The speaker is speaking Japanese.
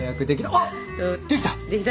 あっできた！